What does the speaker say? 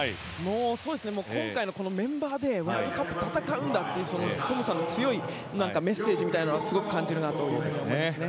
今回のメンバーでワールドカップを戦うんだというトムさんの強いメッセージみたいなのをすごく感じますね。